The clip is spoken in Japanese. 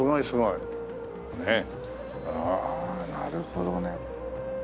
なるほどね。